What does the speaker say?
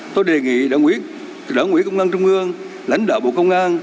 tôi đề nghị đại quỹ công an trung ương lãnh đạo bộ công an